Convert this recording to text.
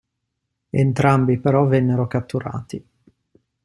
Entrambi però vennero catturati.